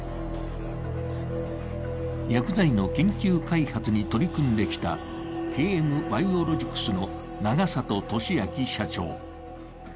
薬剤の研究開発に取り組んできたＫＭバイオロジクスの永里敏秋社長。